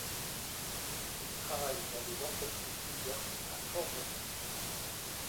Ils travaillent dans des entreprises diverses à fort revenu.